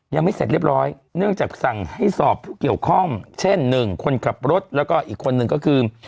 ยังไม่เสร็จเรียบร้อยเนื่องจากสั่งให้สอบผู้เกี่ยวข้องเช่นหนึ่งคนขับรถแล้วก็อีกคนหนึ่งก็คือ